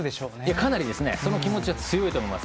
かなりその気持ちは強いと思います。